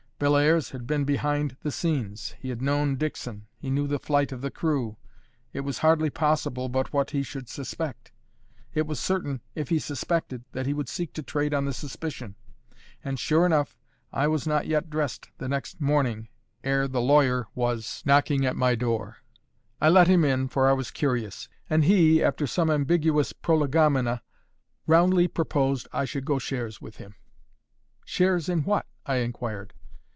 Bellairs had been behind the scenes; he had known Dickson; he knew the flight of the crew; it was hardly possible but what he should suspect; it was certain if he suspected, that he would seek to trade on the suspicion. And sure enough, I was not yet dressed the next morning ere the lawyer was knocking at my door. I let him in, for I was curious; and he, after some ambiguous prolegomena, roundly proposed I should go shares with him. "Shares in what?" I inquired.